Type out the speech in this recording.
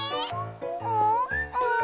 うん？